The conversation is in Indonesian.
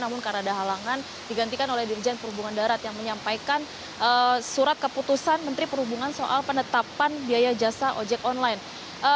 namun karena ada halangan digantikan oleh dirjen perhubungan darat yang menyampaikan surat keputusan menteri perhubungan soal penetapan biaya jasa ojek online